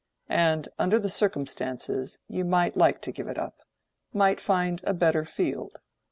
And under the circumstances, you might like to give up—might find a better field.